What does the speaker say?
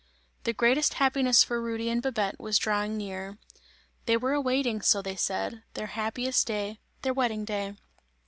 The greatest happiness for Rudy and Babette was drawing near; they were awaiting, so they said, their happiest day, their wedding day.